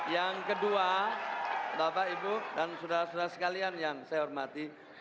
yang kedua bapak ibu dan saudara saudara sekalian yang saya hormati